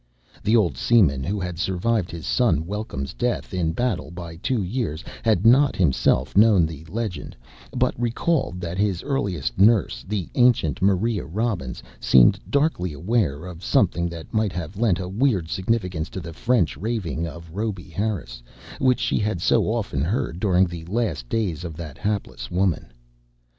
The old seaman, who had survived his son Welcome's death in battle by two years, had not himself known the legend, but recalled that his earliest nurse, the ancient Maria Robbins, seemed darkly aware of something that might have lent a weird significance to the French raving of Rhoby Harris, which she had so often heard during the last days of that hapless woman.